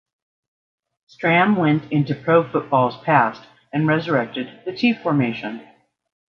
Stram went in to pro football's past and resurrected the T formation.